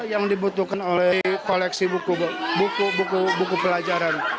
apa yang dibutuhkan oleh koleksi buku pelajaran